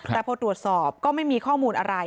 แต่พอตรวจสอบก็ไม่มีข้อมูลอะไร